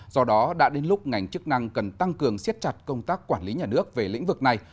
do đó đã đến lúc ngành chức năng cần tăng cường siết chặt công tác quản lý nhà nước về lĩnh vực này